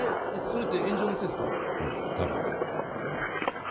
うん、多分ね。